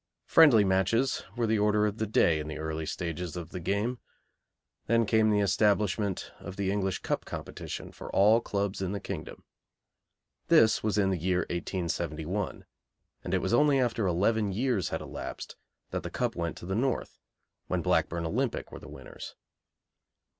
Friendly matches were the order of the day in the early stages of the game. Then came the establishment of the English Cup Competition for all clubs in the Kingdom. This was in the year 1871, and it was only after eleven years had elapsed that the Cup went to the North, when Blackburn Olympic were the winners.